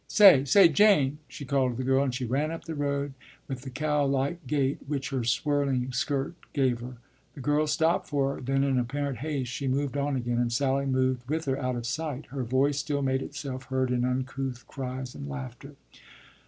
Say, say, Jane!” she called to the girl, as she ran up the road with the cow like gait which her swirling skirt gave her. The girl stopped for her; then in apparent haste she moved on again, and Sally moved with her out of sight; her voice still made itself heard in uncouth cries and laughter.